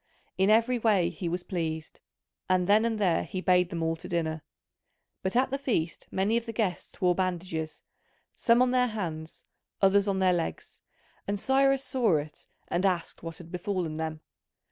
In every way he was pleased, and then and there he bade them all to dinner. But at the feast many of the guests wore bandages, some on their hands, others on their legs, and Cyrus saw it and asked what had befallen them.